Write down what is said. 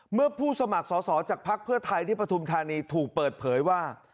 เมื่อผู้สมัครสอสอจากภักดิ์เพื่อไทยที่ปฐุมธานีถูกเปิดเผยว่า